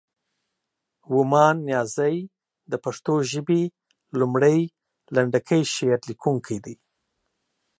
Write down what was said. ومان نیازی د پښتو ژبې لومړی، لنډکی شعر لیکونکی دی.